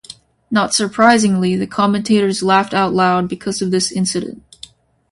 Not surprisingly, the commentators laughed out loud because of this incident.